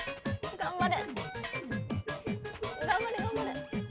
頑張れ！